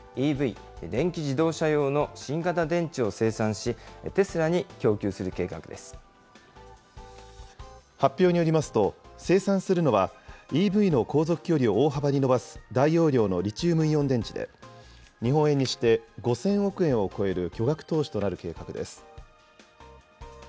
ＥＶ・電気自動車用の新型電池を生産し、発表によりますと、生産するのはＥＶの航続距離を大幅に伸ばす大容量のリチウムイオン電池で、日本円にして５０００億円を超える巨額投資となる計画です。